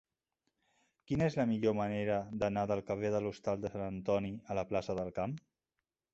Quina és la millor manera d'anar del carrer de l'Hostal de Sant Antoni a la plaça del Camp?